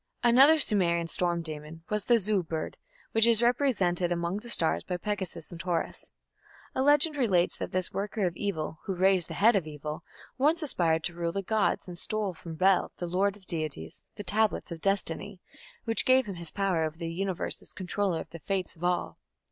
Another Sumerian storm demon was the Zu bird, which is represented among the stars by Pegasus and Taurus. A legend relates that this "worker of evil, who raised the head of evil", once aspired to rule the gods, and stole from Bel, "the lord" of deities, the Tablets of Destiny, which gave him his power over the Universe as controller of the fates of all.